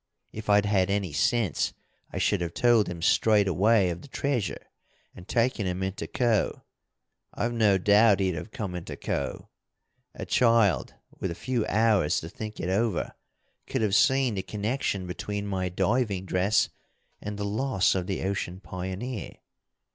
If I'd had any sense I should have told him straight away of the treasure and taken him into Co. I've no doubt he'd have come into Co. A child, with a few hours to think it over, could have seen the connection between my diving dress and the loss of the Ocean Pioneer.